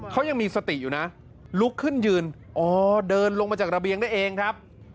เขายังมีสติอยู่นะลุกขึ้นยืนอ๋อเดินลงมาจากระเบียงได้เองครับ